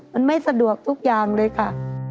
มันไม่สะดวกทุกอย่างเลยค่ะ